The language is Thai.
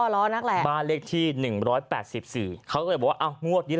ร้อนักแหละบ้านเลขที่หนึ่งร้อยแปดสิบสี่เขาก็เลยบอกว่าเอางวดนี้